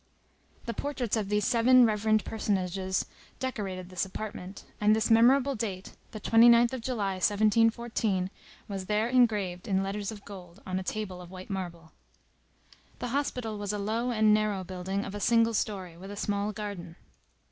The portraits of these seven reverend personages decorated this apartment; and this memorable date, the 29th of July, 1714, was there engraved in letters of gold on a table of white marble. The hospital was a low and narrow building of a single story, with a small garden.